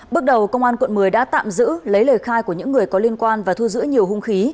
bước đầu công an quận một mươi đã tạm giữ lấy lời khai của những người có liên quan và thu giữ nhiều hung khí